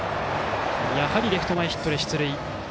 やはりレフト前ヒットで出塁。